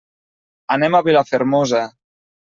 Anem a Vilafermosa.